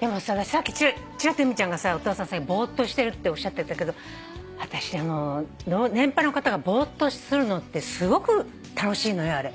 でもささっきちらっと由美ちゃんがさお父さん最近ぼーっとしてるっておっしゃってたけどあたし年配の方がぼーっとするのってすごく楽しいのよあれ。